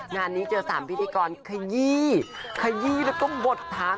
งานนี้เจอ๓พิธีกรขยี้ขยี้แล้วก็บดทาง